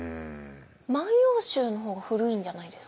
「万葉集」の方が古いんじゃないですか？